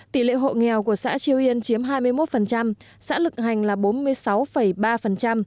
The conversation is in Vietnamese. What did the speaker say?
tỷ lệ hộ nghèo của xã triều yên chiếm hai mươi một xã lực hành là bốn mươi sáu ba